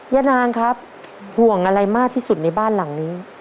ย่านางครับห่วงอะไรมากที่สุดในบ้านหลังนี้